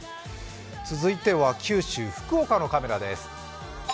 続いては九州、福岡のカメラです。